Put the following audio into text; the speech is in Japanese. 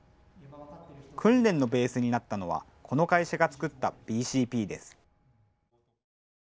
訓練のベースになったのはこの会社が作ったＢＣＰです。